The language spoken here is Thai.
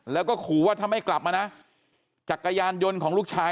แล้วก็ขู่ว่าถ้าไม่กลับมานะจักรยานยนต์ของลูกชาย